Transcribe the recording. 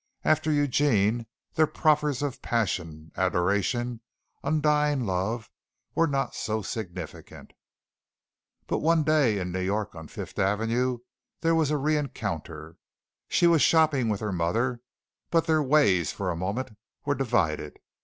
After Eugene their proffers of passion, adoration, undying love, were not so significant. But one day in New York on Fifth Avenue, there was a re encounter. She was shopping with her mother, but their ways, for a moment, were divided.